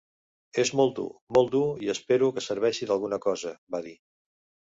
És molt dur, molt dur, i espero que serveixi d’alguna cosa, va dir.